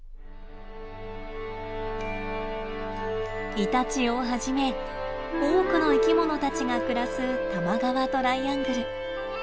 イタチをはじめ多くの生きものたちが暮らす多摩川トライアングル。